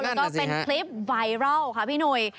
แล้วก็เป็นคลิปไวรัลค่ะพี่หนุ่ย